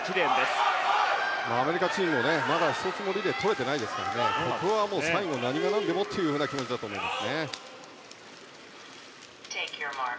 アメリカチームはまだ１つもリレー取れていませんからここは最後何がなんでもという気持ちだと思います。